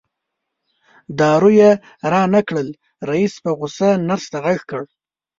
دارو یې رانه کړل رئیس په غوسه نرس ته غږ کړ.